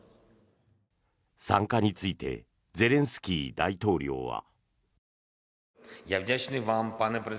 参加についてゼレンスキー大統領は。